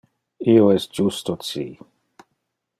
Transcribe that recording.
Io es justo ci.